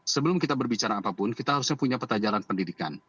sebelum kita berbicara apapun kita harusnya punya peta jalan pendidikan